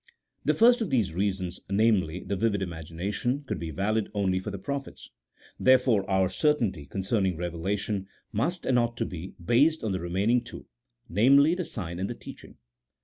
The first of these reasons, namely, the vivid imagination, could be valid only for the prophets ; therefore, our certainty concerning revelation must, and ought to be, based on the remaining two — namely, the sign and the teaching.